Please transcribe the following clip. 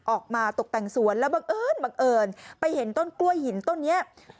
ออกมาตกแต่งสวนแล้วบังเอิญบังเอิญไปเห็นต้นกล้วยหินต้นนี้